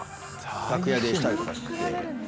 楽屋でしたりとかして。